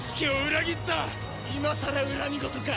今さら恨み言か？